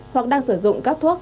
hoặc đang sử dụng các thuốc